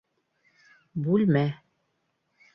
Бүлмә